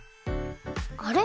あれ？